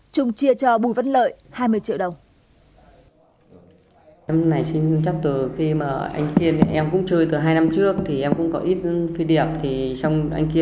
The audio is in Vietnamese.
trung chia cho bùi văn lợi hai mươi triệu đồng